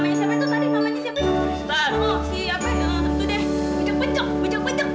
itu deh becok becok becok becok